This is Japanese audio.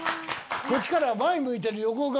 こっちから前向いてる。